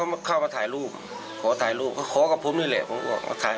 เข้ามาถ่ายรูปขอถ่ายรูปก็ขอกับผมนี่แหละผมก็มาถ่าย